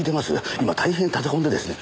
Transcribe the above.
今大変立て込んでですね。